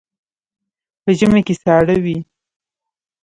په ژمي کې ساړه وي.